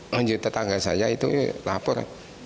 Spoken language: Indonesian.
menyertai tangga saya itu lapor